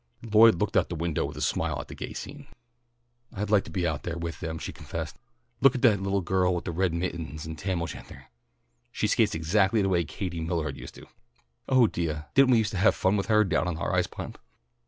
Lloyd looked out the window with a smile at the gay scene. "I'd like to be out there with them," she confessed. "Look at that little girl in the red mittens and Tam O'Shanter. She skates exactly the way Katie Mallard used to. Oh, deah, didn't we used to have fun with her down on our ice pond?"